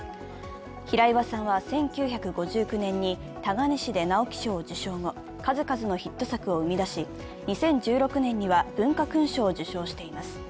平岩さんは１９５９年に「鏨師」で直木賞を受賞後、数々のヒット作を生み出し、２０１６年には文化勲章を受章しています。